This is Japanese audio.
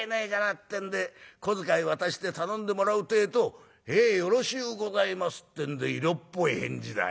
ってんで小遣い渡して頼んでもらうってえと『へえよろしゅうございます』ってんで色っぽい返事だよ。